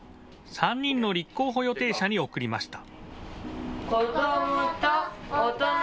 ３人の立候補予定者に送りました。